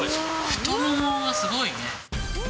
太ももがすごいね。